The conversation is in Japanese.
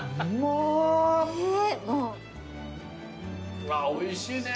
うわおいしいね。